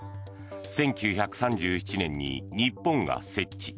１９３７年に日本が設置。